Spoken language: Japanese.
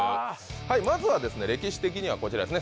まずは歴史的にはこちらですね